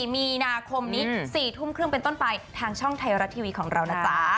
มีนาคมนี้๔ทุ่มครึ่งเป็นต้นไปทางช่องไทยรัฐทีวีของเรานะจ๊ะ